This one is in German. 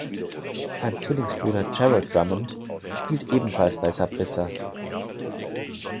Sein Zwillingsbruder Gerald Drummond spielt ebenfalls bei Saprissa.